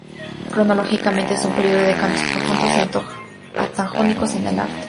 Cronológicamente es un periodo de cambios profundos y antagónicos en el arte.